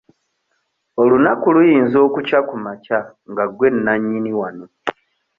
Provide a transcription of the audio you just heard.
Olunaku luyinza okukya ku makya nga gwe nannyini wano.